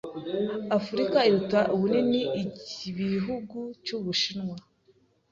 Africa iruta ubunini igihugu cy’Ubushinwa,